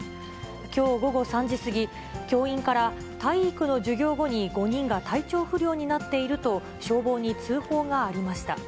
きょう午後３時過ぎ、教員から、体育の授業後に５人が体調不良になっていると、消防に通報がありました。